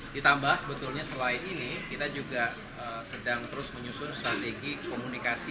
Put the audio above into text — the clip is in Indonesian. ditambah sebetulnya selain ini kita juga sedang terus menyusun strategi komunikasi